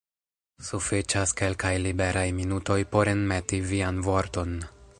Sufiĉas kelkaj liberaj minutoj por enmeti vian vorton.